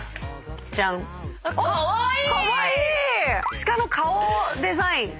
鹿の顔をデザイン。